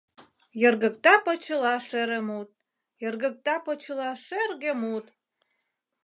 Йыргыкта почела шере мут. Йыргыкта почела шерге мут.